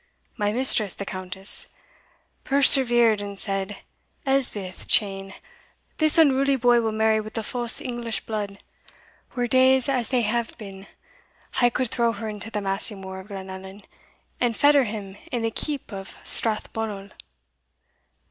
My mistress, the Countess, persevered and said, Elspeth Cheyne, this unruly boy will marry with the false English blood. Were days as they have been, I could throw her into the Massymore* of Glenallan, and fetter him in the Keep of Strathbonnel.